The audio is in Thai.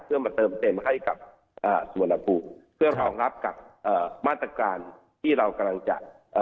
เพื่อมาเติมเต็มให้กับส่วนภูมิเพื่อรองรับกับมาตรการที่เรากำลังจะ